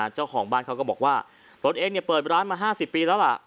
เจ้าของบ้านเขาก็บอกว่าตนเองเปิดร้านมา๕๐ปีแล้วล่ะ